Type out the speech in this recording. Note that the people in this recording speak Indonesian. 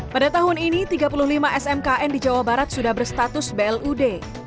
pada tahun ini tiga puluh lima smkn di jawa barat sudah berstatus blud